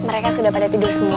mereka sudah pada tidur semua